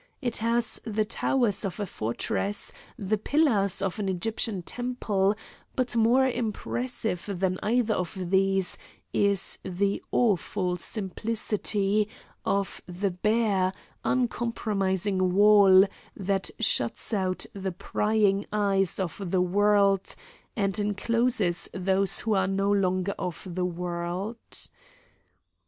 It has the towers of a fortress, the pillars of an Egyptian temple; but more impressive than either of these is the awful simplicity of the bare, uncompromising wall that shuts out the prying eyes of the world and encloses those who are no longer of the world.